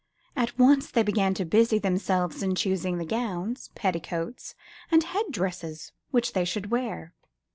At once they began to busy themselves in choosing the gowns, petticoats and head dresses which they should wear.